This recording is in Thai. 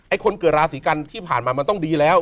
คนเกิดราศีกันที่ผ่านมามันต้องดีแล้ว